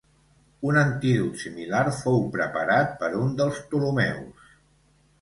Un antídot similar fou preparat per un dels Ptolemeus.